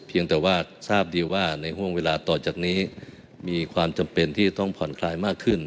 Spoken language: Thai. เพียงแต่ว่าทราบดีว่าในห่วงเวลาต่อจากนี้มีความจำเป็นที่ต้องผ่อนคลายมากขึ้น